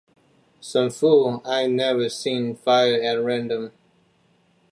Some fool I'd never seen fired at random.